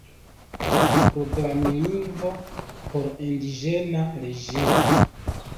Programlingvo por indiĝena reĝimo.